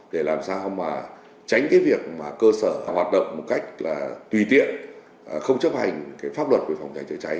để làm sao mà tránh cái việc mà cơ sở hoạt động một cách là tùy tiện không chấp hành pháp luật về phòng cháy chữa cháy